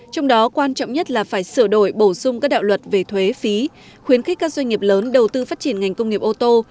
trong đó quan trọng nhất là phải sửa đổi bổ sung các đạo luật về thuế phí khuyến khích các doanh nghiệp lớn đầu tư phát triển ngành công nghiệp ô tô